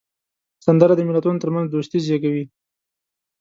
سندره د ملتونو ترمنځ دوستي زیږوي